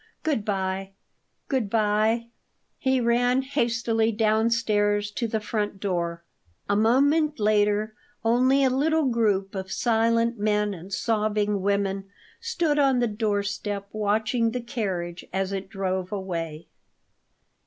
Good bye, good bye!" He ran hastily downstairs to the front door. A moment later only a little group of silent men and sobbing women stood on the doorstep watching the carriage as it drove away.